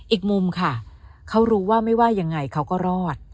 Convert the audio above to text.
อีกมุมค่ะเขารู้ว่าไม่ว่ายังไงเขาก็รอด